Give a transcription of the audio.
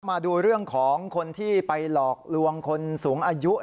มาดูเรื่องของคนที่ไปหลอกลวงคนสูงอายุ